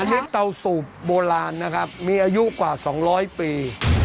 อันนี้เตาสูบโบราณนะครับมีอายุกว่า๒๐๐ปี